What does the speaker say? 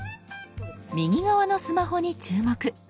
右側のスマホに注目。